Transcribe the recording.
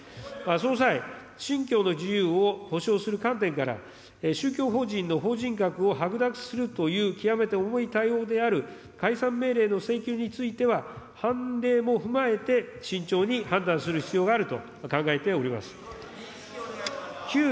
その際、信教の自由を保障する観点から、宗教法人の法人かくを剥奪するという極めて重い対応である、解散命令の請求については、判例も踏まえて、慎重に判断する必要があると考えております。